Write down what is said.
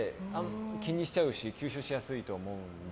気にしちゃうし吸収しやすいと思うので。